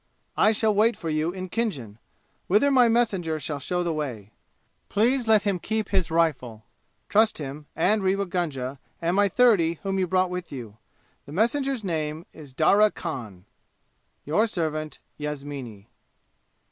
I shall wait for you in Khinjan, whither my messenger shall show the way. Please let him keep his rifle. Trust him, and Rewa Gunga and my thirty whom you brought with you. The messenger's name is Darya Khan. "Your servant, "Ysamini."